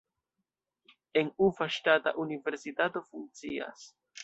En Ufa ŝtata universitato funkcias.